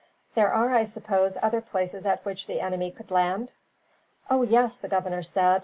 There are, I suppose, other places at which the enemy could land?" "Oh, yes," the governor said.